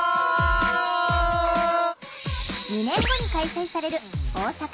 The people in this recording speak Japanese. ２年後に開催される大阪・関西万博。